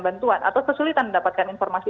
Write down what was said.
bantuan atau kesulitan mendapatkan informasi